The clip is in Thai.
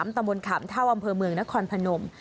ตำบลขามเท่าอำเภอเมืองนครพนม